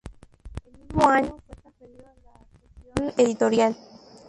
El mismo año fue transferido a la sección editorial.